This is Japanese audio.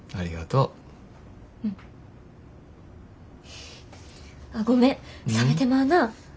うん。あっごめん冷めてまうな。